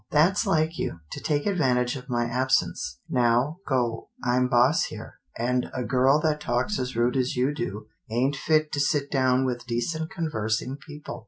" That's like you, to take advantage of my ab sence. Now go — I'm boss here, and a girl that talks as rude as you do ain't fit to sit down with decent conversing people.